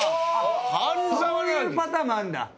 そういうパターンもあるんだ。